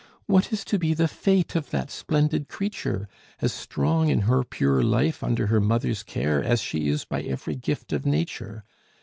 What is to be the fate of that splendid creature, as strong in her pure life under her mother's care as she is by every gift of nature?